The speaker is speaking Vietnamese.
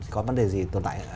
có vấn đề gì tồn tại